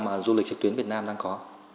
mà du lịch trực tuyến việt nam đang có